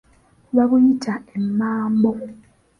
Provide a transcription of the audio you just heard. Babuyita emmambo.